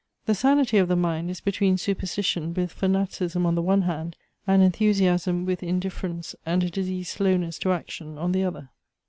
The sanity of the mind is between superstition with fanaticism on the one hand, and enthusiasm with indifference and a diseased slowness to action on the other.